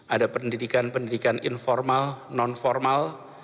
ada pendidikan pendidikan informal non formal